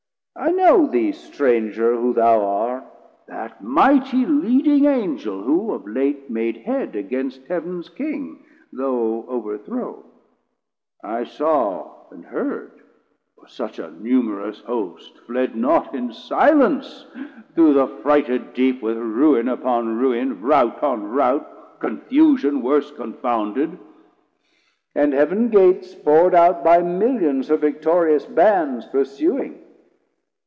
I know thee, stranger, who thou art, 990 That mighty leading Angel, who of late Made head against Heav'ns King, though overthrown. I saw and heard, for such a numerous host Fled not in silence through the frighted deep With ruin upon ruin, rout on rout, Confusion worse confounded; and Heav'n Gates Pourd out by millions her victorious Bands Pursuing.